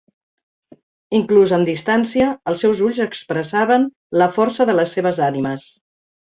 Inclús amb distància, els seus ulls expressaven la força de les seves ànimes.